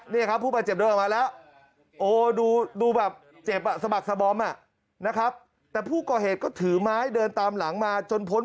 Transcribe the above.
นี่ครับผู้บาดเจ็บด้วยมาแล้วโอดูดูแบบเจ็บสมัครสบอมนะครับแต่ผู้ก่อเหตุก็ถือไม้เดินตามหลังมาจนพ้น